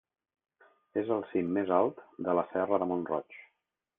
És el cim més alt de la Serra de Mont-roig.